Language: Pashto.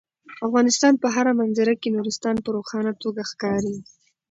د افغانستان په هره منظره کې نورستان په روښانه توګه ښکاري.